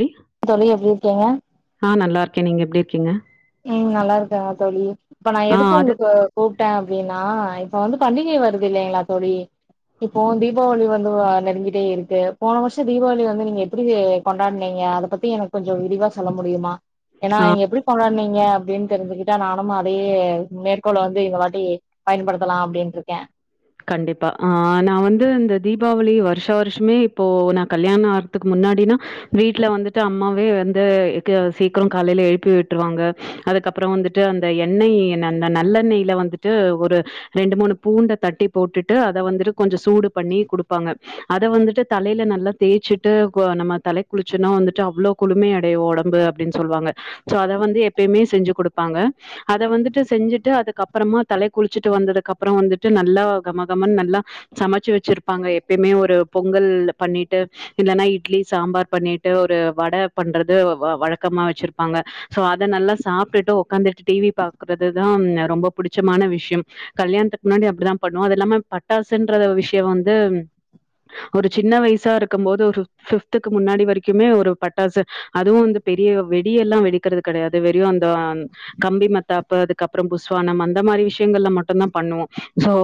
ம் தோழி எப்டி இருக்கீங்க ஆ நல்லா இருக்கே நீங்க எப்டி இருக்கீங்க ம் நல்லா இருக்காங்க தோழி இப்ப நா ஆ எதுக்கு அது உங்களுக்கு கூப்ட்டே இதே நா இப்ப வந்து பண்டிகை வருது இல்லைங்களா தோழி இப்போ தீபாவளி வந்து அ நெருங்கிட்டே இருக்கு போன வருஷோ தீபாவளி வந்து நீங்க எப்டி கொண்டாட்னீங்க அத பத் எனக்கு கொஞ்ச விரிவா சொல்ல முடியுமா இங்க ஆ நீங்க எப்டி கொண்டாட்னீங் க அப்டின் தெரிஞ்சுகிட்டா நானு அதையே மேற்கோள் வந்து இந்த வாட்டி பயன்படுத்தலா அப்டின்ட்ருக்கே கண்டிப்பா ஆ நா வந்து இந்த தீபாவளி வருஷ வருஷமே இப்போ நா கல்யாண ஆல் துக்கு முன்னாடினா வீட்ல வந்துட்டு அம்மாவே வந்து இது சீக்கிரோ காலையில எழுப்பி விட்டுருவாங்க அதுக்கப்பறே வந்துட்டு அந்த எண்ணெய் அந்த நல்லெண்ணெய்யில வந்துட்டு ஒரு ரெண்டு மூணு பூண்ட தட்டி போட்டுட்டு அத வந்துட்டு கொஞ்ச சூடு பண்ணி குடுப்பாங்க அத வந்துட்டு தலையில நல்லா தேய்சிட்டு கு நம்ம தலைக் குளிச்சனா வந்துட்டு அவ்ளோ குழுமை அடையு ஒடம்பு அப்டின் சொல்வாங்க சோ அத வந்து எப்பயுமே செஞ்சி குடுப்பாங்க அத வந்துட்டு செஞ்சிட்டு அதுக்கப்பறமா தலைக்கு குளிச்சுட்டு வந்ததுக்கு அப்புற வந்துட்டு நல்லா கமகமன் நல்லா சமச்சு வச்சிருப்பாங்க எப்யுமே ஒரு பொங்கல் பண்ணிட்டு இல்லன்னா இட்லி சாம்பார் பண்ணிட்டு ஒரு வட பண்றது வ வழக்கமா வச்சிருப்பாங்க சோ அத நல்லா சாப்ட்டுட்டு ஒக்காந்துட்டு டிவி பாக்குறதுதா ரொம்ப புடிச்சமான விஷ்யம் கல்யாணத்துக்கு முன்னாடி அப்டிதா பண்ணுவேஅது எல்லாமே பட்டாசுன்றத விஷிய வந்து ஒரு சின்ன வயசா இருக்கும் போது ஒரு ஃபிப்துக்கு முன்னாடி வரைக்குமே ஒரு பட்டாசு அதுவு வந்து பெரிய வெடி எல்லா வெடிக்கறது கெடையாது வெறி வந்தா கம்பி மத்தாப்பு அதுக்கப்பறம் புஸ் வானம் அந்த மாரி விஷ்யங்கள்ல மட்டுதா பண்ணுவோ சோ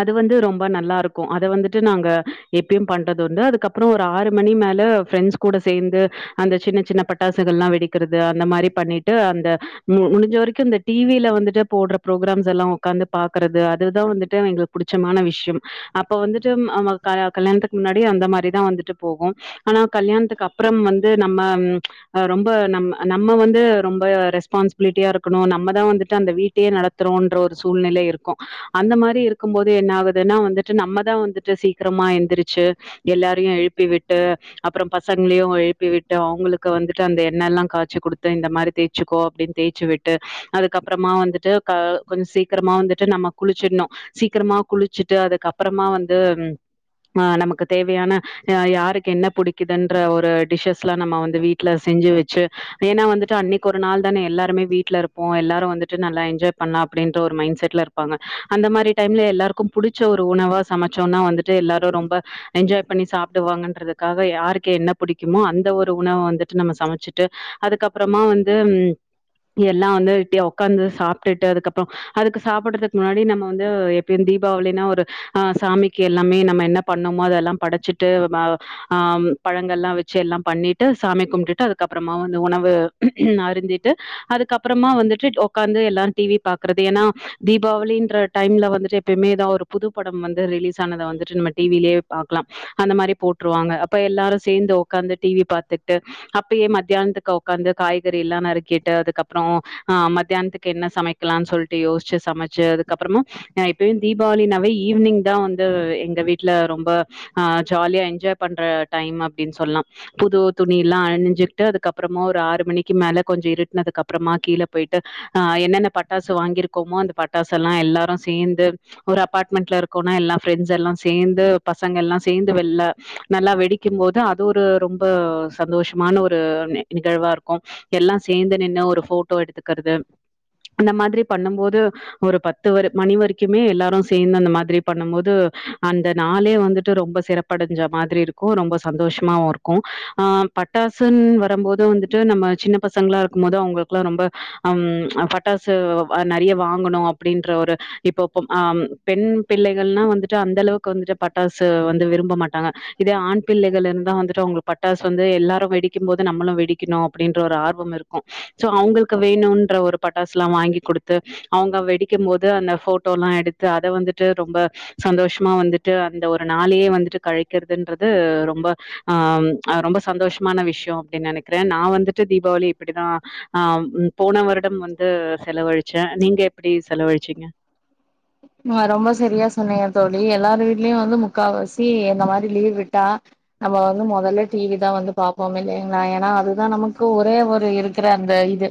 அது வந்து ரொம்ப நல்லா இருக்கு அத வந்துட்டு நாங்க எப்பயு பண்றது வந்து அதுக்கப் அப்றோ ஒரு ஆறு மணி மேல ஃப்ரெண்ட்ஸ் கூட சேந்து அந்த சின்ன சின்ன பட்டாசுகள்லா வெடிக்கிறது அந்த மாரி பண்ணிட் டு அந்த மு முடிஞ்ச வரைக்கு இந்த டிவில வந்துட்டு போட்ற ப்ரோகிராம்ஸ் எல்லா உக்காந்து பாக்கறது அதுதா வந்துட்டு எங்களுக் புடிச்சமான விஷ்யம் அப்ப வந்துட்டு ம் அ க கல்யாணத்துக்கு முன்னாடி அந்த மாரிதா வந்துட்டு போகு ஆனா கல்யாணத்துக்கு அப்பறம் வந்து நம்ம அ ரொம்ப நம் நம்ம வந்து ரொம்ப ரெஸ்பான்சிபிலிட்டியா இருக்கணு நம்மதா வந்துட்டு அந்த வீட்டையே நடத் த்தோன்ற ஒரு சூழ்நிலை இருக்கு அந்த மாரி இருக்கும்போது என்ன ஆகுதுன்னா வந்துட்டு நம்மதா வந்துட்டு சீக்கிரமா எந்திரிச்சி எல்லாரையு எழுப்பி விட்டு அப்பற பசங்ளையு எழுப்பி விட்டு அவுங்களுக்கு வந்துட்டு அந்த எண்ணெல்லா காச்சி குடுத்து இந்த மாரி தேய் சுக்கோ அப்டின் தேய்ச்சி விட்டு அதுக்கப்பறமா வந்துட்டு க கொஞ்ச சீ க்கிரமா வந்துட்டு நம்ம குளிச்சிட்னு சீக்கிரமா குளிச்சிட்டு அதுக்கப்பறமா வந்து ம் அ நமக்கு தேவையான அ யாருக்கு என்ன புடிக்குதுன்ற ஒரு டிஷ்ஸஸ்லா நம்ம வந்து வீட்ல செஞ்சி வச்சு ஏனா வந்துட்டு அன்னைக்கு ஒரு நாள் தானே எல்லாருமே வீட்ல இருப்போ எல்லாரு வந்துட்டு நல்லா என்ஜாய் பண்ணலா அப்டின் டு ஒரு மைண்ட் செட்ல இருப்பாங்க அந்த மாரி டைம்ல எல்லாருக்கு புடிச்ச ஒரு உணவா சமச்சோனா வந்துட்டு எல்லாரு ரொம்ப என்ஜாய் பண்ணி சாப்டுவாங்கன்றதுக்காக யாருக்கே என்ன புடிக்குமோ அந்த ஒரு உணவ வந்துட்டு நம்ம சமச்சிட்டு அதுக்கப்பறமா வந்து எல்லா வந்து வெட்டியா ஒக்காந்து சாப்ட்டுட்டு அதுக்கப் அப்பறம் அதுக்கு சாப்படறதுக்கு முன்னாடி நம்ம வந்து எப்பயும் தீபாவளினா ஒரு ஆ சாமிக்கு எல்லாமே நம்ம என்ன பண்ணோமோ அதெல்லாம் படச்சிட்டு் ஆ பழங்கள்லாம் வச்சு எல்லாம் பண்ணிட்டு சாமி கும்டுட்டு அதுக்கப்பறமா வந்து உணவு ம் அறிந்திட்டு அதுக்கப்பறமா வந்துட்டு உக்காந்து எல்லாரு டிவி பா இருக்கறது ஏன்னா தீபாவளின்ற டைம்ல வந்துட்டு எப்பயுமே ஏதாவ ஒரு புது படம் வந்து ரிலீஸ் ஆனத வந்துட்டு நம்ம டிவிலயே பாக்கலாம் அந்த மாரி போட்டுருவாங்க அப்ப எல்லாரும் சேந்து ஒக்காந்து டிவி பாத்துகிட்டு அப்டியே மத்தியானத்துக்கு ஒக்காந்து காய்கறி எல்லாம் நறுக்கிட்டு அதுக்கப்புறம் ஆஹ் மத்தியானத்துக்கு என்ன சமைக்கலாம்னு சொல்லிட்டு யோசிச்சு சமச்சு அதுக்கப்பறமா நா இப்பயும் தீபாவளினாவே ஈவினிங் தா வந்து எங்க வீட்டு்ல ரொம்ப ஆன் ஜாலியா என்ஜாய் பண்ற டைம் அப்டின்னு சொல்லாம் புது துணி எல்லாம் அணிஞ்சிட்டு அதுக்கப்புறமா ஒரு ஆறு மணிக்கு மேல கொஞ்சம் இருட்டுன்ன அதுக்கப்புறமா கீழே போயிட்டு ஆன் என்னென்ன பட்டாசு வாங்கிருக்கோமோ அந்த பட்டாசு எல்லாம் எல்லாரும் சேர்ந்து ஒரு அபார்ட்மெண்ட்ல இருக்கோம்னா எல்லா ஃப்ரெண்ட்ஸ் எல்லாம் சேந்து பசங்க எல்லாம் சேர்ந்து வெள்ல நல்லா வெடிக்கும் போது அது ஒரு ரொம்ப சந்தோஷமான ஒரு நிகழ்வா இருக்கும் எல்லாம் சேந்து நின்னு ஒரு போட்டோ எடுத்துக்கறது அந்த மாதிரி பண்ணும் போது ஒரு பத்து வரு மணி வரைக்குமே எல்லாரும் சேர்ந்து அந்த மாரி பண்ணும் போது அந்த நாளே வந்துட்டு ரொம்ப சிறப்பு படஞ்ச மாதிரி இருக்கும் ரொம்ப சந்தோஷமாவும் இருக்கும் ஆன் பட்டாசுன்னு வரும்போது வந்துட்டு நம்ம சின்ன பசங்களா இருக்கும் போது அவங்களுக்குல்லாம் ரொம்ப அன் பட்டாசு அ நறைய வாங்கணும் அப்டின்ற ஒரு இப்பப்ப ஆ பெண் பிள்ளைகள்ன்னா வந்துட்டு அந்த அளவுக்கு வந்துட்டு பட்டாசு வந்து விரும்ப மாட்டாங்க இதே ஆண் பிள்ளைகள் இருந்தா வந்துட்டு அவங்களுக்கு பட்டாசு வந்து எல்லாரும் வெடிக்கும் போது நம்மளும் வெடிக்கணும் அப்டின்ற ஒரு ஆர்வம் இருக்கும் சோ அவுங்களுக்கு வேணும்ன்ற ஒரு பட்டாசுல்லாம் வாங்கி குடுத்து அவங்க வெடிக்கும் போது அந்த போட்டோல்லாம் எடுத்து அத வந்துட்டு ரொம்ப சந்தோஷமா வந்துட்டு அந்த ஒரு நாளையே வந்துட்டு கழிக்கறதுன்றது ரொம்ப ஆ ரொம்ப சந்தோஷமான விஷயம் அப்டின்னு நனைக்கறேன் நான் வந்துட்டு தீபாவளி இப்டிதா ஆ போன வருடம் வந்து செலவழிச்சேன் நீங்க எப்டி செலவழிச்சீங்க ஹ ரொம்ப சரியா சொன்னீங்க தோழி எல்லார வீட்லயும் வந்து முக்கால் வாசி இந்த மாரி லீவ் விட்டா நம்ம வந்து மொதல்ல டிவி தா வந்து பாப்போம் இல்லைங்கலா ஏன்னா அதுதான் நமக்கு ஒரே ஒரு இருக்கற அந்த இது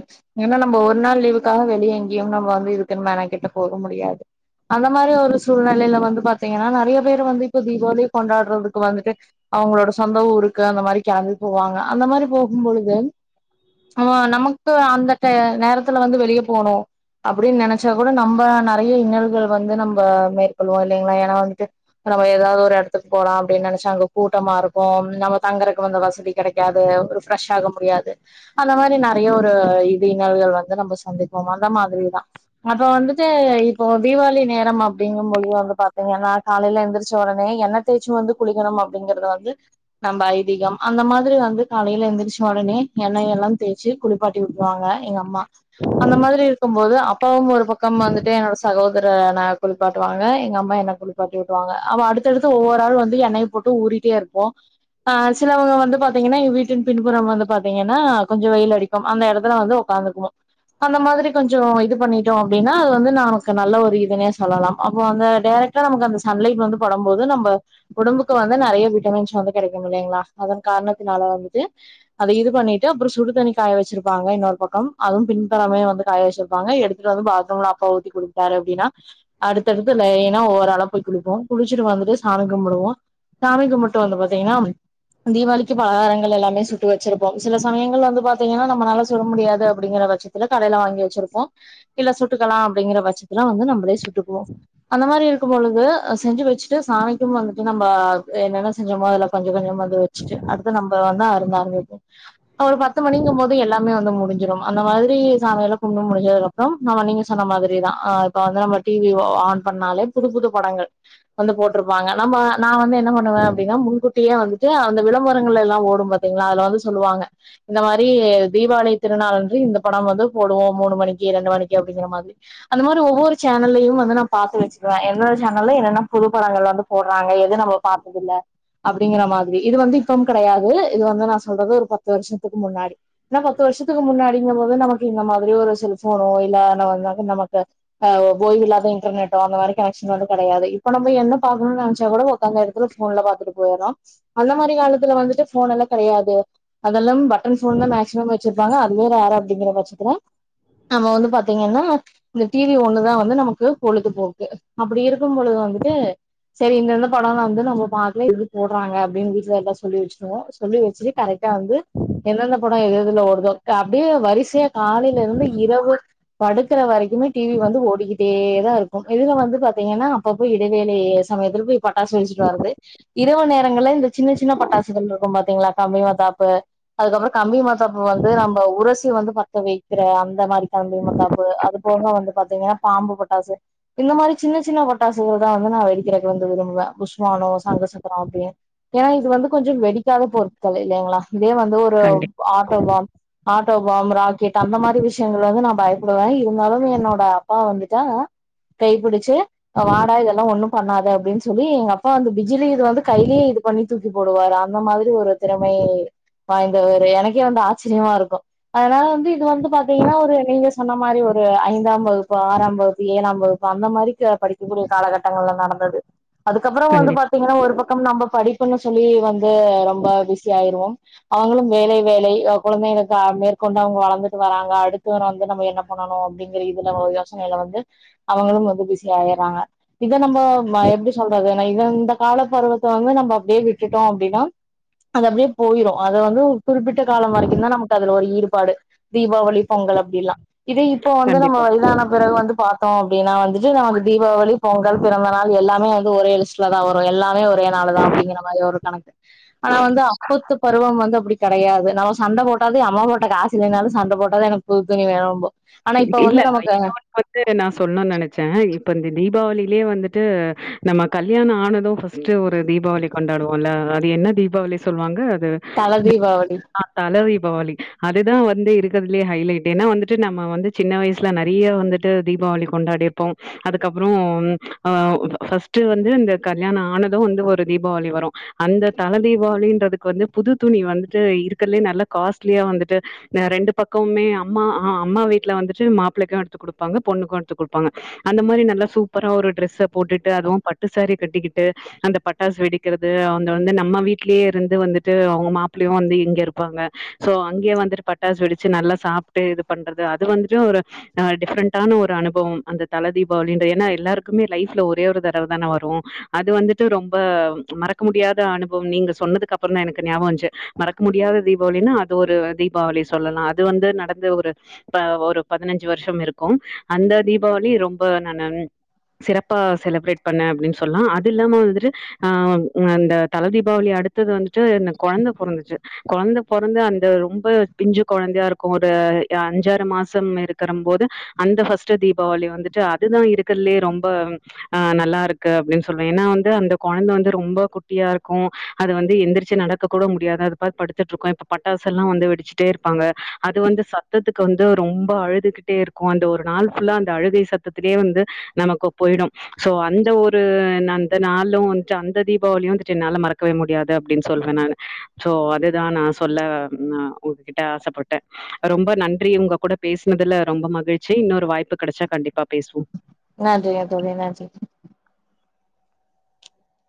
ஏனா நம்ம ஒரு நாள் லீவுக்காக வெளிய எங்கேயும் நம்ம வந்து இருக்குன்னு மேனக்கெட்டு போக முடியாது அந்த மாரி ஒரு சூழ்நிலைல வந்து பாத்தீங்கன்னா நறைய பேர் வந்து இப்ப தீபாவளி கொண்டாடுறதுக்கு வந்துட்டு அவங்களோட சொந்த ஊருக்கு அந்த மாரி கெளம்பி போவாங்க அந்த மாரி போகும் பொழுது ஆமா நமக்கு அந்த நேரத்துல வந்து வெளியே போணும் அப்டின்னு நனைச்சா கூட நம்ம நறைய இன்னல்கள் வந்து நம்ம மேற்கொள்வோம் இல்லைங்களா ஏன்னா வந்துட்டு நம்ம ஏதாது ஒரு எடத்துக்கு போலாம் அப்டின்னு நனச்சா அங்க கூட்டமா இருக்கும் நம்ம தங்குறக்கு அங்க வசதி கடைக்கும் யாது ஒரு பிரெஷ் ஆக முடியாது அந்த மாரி நறைய ஒரு இதினல்கள் வந்து நம்ம சந்திப்போம் அந்த மாரிதா அதோ வந்துட்டு இப்போ தீபாவளி நேரம் அப்படிங்க போது வந்து பாத்தீங்கன்னா காலைல எழுந்திரச்ச ஒடனே எண்ணெய் தேச்சு வந்து குளிக்கணும் அப்டிங்கறத வந்து நம்ம ஐதீகம் அந்த மாரி வந்து காலைல எழுந்திரிச்ச உடனே எண்ணெய் எல்லாம் தேய்ச்சு குளிப்பாட்டி விடுவாங்க எங்க அம்மா அந்த மாரி இருக்கும் போது அப்பாவும் ஒரு பக்கம் வந்துட்டு என்னோட சகோதரன குளிப்பாட்டுவாங்க எங்க அம்மா என்னை குளிப்பாட்டி விடுவாங்க அடுத்தடுத்து ஒவ்வொரு ஆளு வந்து என்னை போட்டும் ஊறிட்டே இருப்போம் ஆன் சில வங்க வந்து பாத்தீங்கன்னா எங்க வீட்டின் பின்புறம் வந்து பாத்தீங்கன்னா கொஞ்ச வெயில் அடிக்கும் அந்த இடத்துல வந்து உட்காந்துக்குவோ அந்த மாதிரி கொஞ்ச இது பண்ணிட்டோ அப்டின்னா அது வந்து நா நல்ல ஒரு இதுனே சொல்லலா அப்போ அந்த டைரெக்டா நமக்கு அந்த சன்லைட் வந்து படும் போது நம்ம உடம்புக்கு வந்து நிறைய விட்டமீன்ஸ் வந்து கிடைக்கும் இல்லலைங்களா அதன் காரணத்தினால வந்துட்டு அத இது பண்ணிட்டு அப்புற சுடுதண்ணி காய வச்சிருப்பாங்க இன்னொரு பக்கம் அதும் பின்புறமே வந்து காய வச்சிருப்பாங்க எடுத்து ட்டு வந்து பாத்ரூம்ல அப்பா ஊத்தி குடுத்தாரு அப்டின்னா அடுத்தடுத்து லைன்னா ஒவ்வொரு ஆளா போய் குளிப்போ குளிச்சுட்டு வந்துட்டு சாமி கும்புடுவோ சாமி கும்புட்டு வந்து பாத்தீங்கனா தீவாளிக்கு பலகாரங்கள் எல்லாமே சுட்டு வச்சிருப்போம் சில சமயங்கள்ல வந்து பாத்தீங்கன்னா நம்மளால சுட முடியாது அப்படிங்கற பட்ச த்துல கடைல வாங்கி வச்சிருப்போ இல்ல சுட்டுக்கலா அப்படிங்கிற பட்சத்துல வந்து நம்மளே சுட்டுக்குவோ அந்த மாதிரி இருக்கும் பொழுது செஞ்சு வெச்சுட்டு சாமிக்கும் வந்துட்டு நம்ப என்னென்ன செஞ்சோமோ அதுல கொஞ்ச கொஞ்சம் வந்து வச்சுட்டு அடுத்து நம்ப வந்து [unintelligible] ஒரு பத்து மணிங்கம் போது எல்லாமே வந்து முடிஞ்சிடு அந்த மாதிரி சாமியல்லா கும்ட முடிஞ்சதுக்க அம் ஆமா நீங்க சொன்ன மாதிரிதா அ இப்ப வந்து நம்ம டிவிய ஆன் பண்ணாலே புது புது படங்கள் வந்து போட்டிருப்பாங்க நம்ம நா வந்து என்ன பண்ணுவே அப்டின்னா முன்கூட்டியே வந்துட்டு அந்த விளம்பரங்கள் எல்லாம் ஓடும்பாத் என்ன ஆனாலு சொல்லுவாங்க இந்த மாரி தீபாவளி திருநாளன்று இந்த படம் வந்து போடுவோம் மூணு மணிக்கு ரெண்டு மணிக்கு அப்படிங்கிற மாதிரி அந்த மாரி ஒவ்வொரு சேனல்லையும் வந்து நா பாத்து வச்சுக்குவே எந்த சேனல்ல என்னன்ன புது படங்கள் வந்து போடுறாங்க எது நம்ம பாத்ததுல்ல அப்டிங்கற மாதிரி இது வந்து இப்பம் கிடையாது இது வந்து நா சொல்றது ஒரு பத்து வருஷத்துக்கு முன்னாடி ஏனா பத்து வருஷத்துக்கு முன்னாடிங்கும்போது நமக்கு இந்த மாதிரி ஒரு செல்ஃபோனோ இல்ல வந்தாக்க நமக்கு ஆ போகி இல்லாத இன்டர்நெட்டோ அந்த மாரி கனெக்ஷன் வந்து கடையாது இப்ப நம்ம என்ன பாக்கணுனு நினைச்சா கூட உக்காந்த இடத்துல ஃபோன்ல பாத்துட்டு போயிட்றோ அந்த மாரி காலத்துல வந்துட்டு ஃபோன் எல்லா கடையாது அதுல்லாம பட்டன் ஃபோன் தா மேக்ஸிமம் வெச்சிருப்பாங்க அதுமே ரேர் அப்டிங்கிற‌ பட்சத்துல நம்ம வந்து பாத்தீங்கன்னா இந்த டிவி ஒண்ணுதா வந்து நமக்கு பொழுது போக்கு அப்டி இருக்கும் பொழுது வந்துட்டு செரி இந்தந்த படம்லா வந்து நம்ம பாக்கலா இப்டி போடுறாங்க அப்டின்னு வீட்ல எல்லா சொல்லி வச்சுருவோ சொல்லி வச்சுட்டு கரெக்டா வந்து எந்தெந்த படம் எது இதுல ஓடுதோ அப்டியே வரிசையா காலையில இருந்து இரவு படுக்குற வரைக்கு குமே டிவி வந்து ஓடிக்கிட்டே தா இருக்கு இதுல வந்து பாத்தீங்கன்னா அப்பப்ப இடைவேளை சமயத்தில போய் பட்டாசு வெடிச்சுட்டு வருது இரவு நேரங்கள்ல இந்த சின்ன சின்ன பட்டாசுகள் இருக்கும் பாத்தீங்களா கம்பி மத்தாப்பு அதுக்கப்புறோ கம்பி மத்தாப்பு வந்து நம்ம உரசி வந்து பத்த வைக்கிற அந்த மாரி கம்பி மத்தாப்பு அது அது போக வந்து பாத்தீங்கன்னா பாம்பு பட்டாசு இந்த மாரி சின்ன சின்ன பாட்டாசுகள் தா வந்து நா வெடிக்கிறதுக்கு வந்து விரும்புவே புஸ்வானோ சங்கு சக்கரோ அப்டின்னு ஏன்னா இது வந்து கொஞ்ச வெடிக்காத பொருட்கள் இல்லைங்களா இதே வந்து ஒரு கண்டிப் ஆட்டோபாம் ஆட்டோ பாம் ராக்கெட் அந்த மாரி விஷயங்கள் வந்து நா பயப்படுவே இ இருந்தாலும் என்னோட அப்பா வந்துட்டா கை புடிச்சு வாடா இதெல்லா ஒண்ணும் பண்ணாது அப்டின்னு சொல்லி எங்க அப்பா வந்து பிஜ்லி இது வந்து கையிலே இது பண்ணி தூக்கிப் போடுவாரு அந்த மாதிரி ஒரு திறமை வாய்ந்தவர் எனக்கே வந்து ஆச்சரியமா இருக்கு ஆனா வந்து இது வந்து பாத்தீங்கன்னா ஒரு நீங்க சொன்ன மாரி வரு ஒரு ஐந்தாம் வகுப்பு ஆறாம் வகுப்பு ஏழாம் வகுப்பு அந்த மாரி க் படிக்கக்கூடிய காலகட்டங்கள்ல நடந்தது அதுக்கப்புற வந்து கண்டிப் பாத்தீங்கன்னா ஒரு பக்கம் நம்ப படிப்புன்னு சொல்லி வந்து ரொம்ப பிஸி ஆயிருவோ அவுங்களும் வேலை வேலை அ குழந்தைகளுக்கு அ மேற்கொண்டு அவுங்க வளந்துட்டு வராங்க அடுத்தவர வந்து நம்ம என்ன பண்ண ண்ணணு அப்டிங்கற இதுல யோசனையில வந்து அவங்களு வந்து பிஸி ஆயிறாங்க இத நம்ம ம எப்டி சொல்றது இத இந்த காலப்பருவத்தை வந்து நம்ம அப்டியே விட்டுட்டோ அப்டின்னா அது அப்டியே போயிரும் அத வந்து குறிப்பிட்ட காலம் வரைக்கும் தான் நமக்கு அதுல ஒரு ஈடுபாடு தீபாவளி பொங்கல் அப்டிலாம் இதே இப்போ வந்து நம்ம கண்டிப்பா இதான பிறகு வந்து பார்த்தோம் அப்டின்னா வந்துட்டு நமக்கு தீபாவளி பொங்கல் பிறந்த நாள் எல்லாமே இது ஒரே லிஸ்ட்ல தான் வரும் எல்லாமே ஒரே நாள் தான் அப்டிங்கிற மாதிரி ஒரு கணக்கு ஆனா வந்து அப்பத்து பருவம் வந்து அப்டி கடையாது நம்ம சண்ட போட்டாது அம்மா போட்ட காசில்லைனாலும் சண்ட போட்டாவது எனக்கு புது துணி வேனும்போம் இல்ல ஐ தாட் ஃபர்ஸ்ட்டே நான் சொல்லனும் நினைச்சேன் இப்ப இந்த தீபாவளிலே வந்துட்டு நம்ம கல்யாணம் ஆனதும் ஃபஸ் ட்டு ஒரு தீபாவளி கொண்டாடுவோம்ல அது என்ன தீபாவளி சொல்லுவாங்க அது தல தீபாவளி ஆ தல தீபாவளி அதுதான் வந்து இருக்கறதுலயே ஹைலைட் ஏன்னா வந்துட்டு நம்ம வந்து சின்ன வயசுல நெறைய வந்துட்டு தீபாவளி கொண்டாடிருப்போம் அதுக்கப்புறம் ஆ ஃபஸ்ட் வந்து இந்த கல்யாண ஆனதும் வந்து ஒரு தீபாவளி வரும் அந்த தலதீபாவளின்றதுக்கு வந்து புதுத் துணி வந்துட்டு இருக்கறதுல்லே நல்லா காஸ்ட்லியா வந்துட்டு ரெண்டு பக்கமுமே அம்மா ஆ அம்மா வீட்டு்ல வந்துட்டு மாப்பிள்ளைக்கும் எடுத்து குடுப்பாங்க பொண்ணுக்கும் எடுத்து குடுப்பாங்க அந்த மாரி நல்லா சூப்பரா ஒரு டிரெஸ்ஸ போட்டுட்டு அதுவும் பட்டு சாரி கட்டிக்கிட்டு அந்த பட்டாசு வெடிக்கறது அவுங்க வந்து நம்ம வீட்லயே இருந்து வந்துட்டு அவ்ங்க மாப்பிள்ளயும் வந்து இங்க இருப்பாங்க சோ அங்கே வந்துட்டு பட்டாசு வெடிச்சு நல்லா சாப்ட்டு இது பண்றது அது வந்துட்டு ஒரு ஆ டிஃப்ரண்டான ஒரு அனுபவம் அந்த தலை தீபாவளின்ற ஏன்னா எல்லாருக்குமே லைஃப்ல ஒரே ஒரு தடவ தானே வரும் அது வந்துட்டு ரொம்ப மறக்க முடியாத அனுபவம் நீங்க சொன்னதுக்கப்புறம் தான் எனக்கு ஞாபகம் வந்துச்சு மறக்க முடியாத தீபாவளின்னா அது ஒரு தீபாவளி சொல்லலா அது வந்து நடந்து ஒரு ப ஒரு பதினஞ்சு வர்ஷ்ஷம் இருக்கும் அந்த தீபாவளி ரொம்ப நானு சிறப்பா செலப்ரேட் பண்ண அப்டின் சொல்லாம் அது இல்லாம வந்துட்டு ஆ அந்த தல தீபாவளி அடுத்தது வந்துட்டு எனக் கொழந்த பொறந்துச்சு கொழந்த பொறந்து அந்த ரொம்ப பிஞ்சு கொழந்தயாருக்கும் ஒரு அஞ்சார் மாசம் இருக்குறம் போது அந்த ஃபஸ்ட்டு தீபாவளி வந்துட்டு அதுதா இருக்கறல்துலேயே ரொம்ப ஆ நல்லாருக்கு அப்டின் சொல்வே ஏனா வந்து அந்த கொழந்த வந்து ரொம்ப குட்டியாருக்கும் அது வந்து எந்துருச்சி நடக்க கூட முடியாது அது பாட் படுத்துட்ருக்கோ இப்ப பட்டாஸ்ல்லா வந்து வெடுச்ட்டேர்ப்பாங்க அது வந்து சத்தத்துக் கு வந்து ரொம்ப அழுதுகிட்டேருக்கும் அந்த ஒரு நாள் ஃபுல்லா அந்த அழுகை சத்துலயே வந்து நமக்கு போய்ரும் சோ அந்த ஒரு நந்த நாளூம் வந்துட்டு அந்த தீபாவளியு வந்துட்டு என்னால மறக்கவே முடியாது அப்டின்னு சொல்றன் நானு சோ அதுதான் நான் சொல்ல ந உங்கிட்ட ஆசைப்பட்டேன் ரொம்ப நன் றி உங்க கூட பேசுனதுல ரொம்ப மகி்ழ்ச்சி இன்னொரு வாய்ப்பு கெடச்சா கண்டிப்பா பேசுவோம் நன்றிங்க தோழி நன்றி